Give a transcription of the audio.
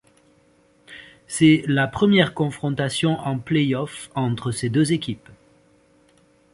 C'est la première confrontation en Playoffs entre ces deux équipes.